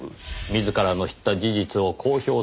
自らの知った事実を公表すべきか」